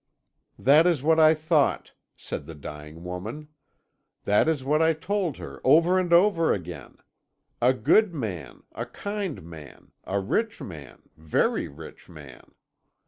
"'That is what I thought,' said the dying woman; 'that is what I told her over and over again. A good man, a kind man, a rich man, very rich man!